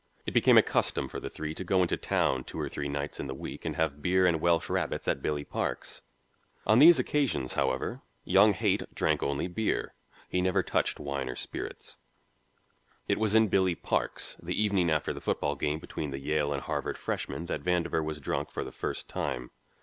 It became a custom for the three to go into town two or three nights in the week and have beer and Welsh rabbits at Billy Park's. On these occasions, however, young Haight drank only beer, he never touched wine or spirits. It was in Billy Park's the evening after the football game between the Yale and Harvard freshmen that Vandover was drunk for the first time.